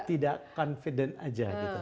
tidak yakin saja gitu